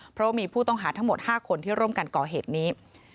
เพราะว่ามีผู้ต้องหาทั้งหมด๕คนที่ร่วมกันก่อเหตุนี้